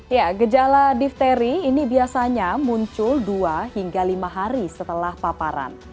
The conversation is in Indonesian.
ya gejala difteri ini biasanya muncul dua hingga lima hari setelah paparan